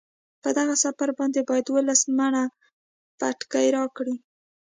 په دغه سپر باندې باید دولس منه بتکۍ راکړي.